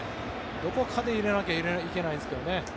どこかで入れなきゃいけないんですけどね。